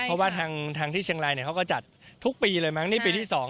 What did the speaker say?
เพราะว่าทางที่เชียงรายเนี่ยเขาก็จัดทุกปีเลยมั้งนี่ปีที่๒